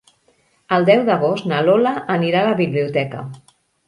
El deu d'agost na Lola anirà a la biblioteca.